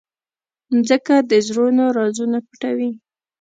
مځکه د زړونو رازونه پټوي.